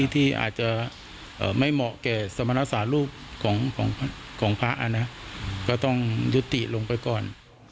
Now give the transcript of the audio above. ที่อาจจะไม่เหมาะแก่สมณสารูปของพระนะก็ต้องยุติลงไปก่อน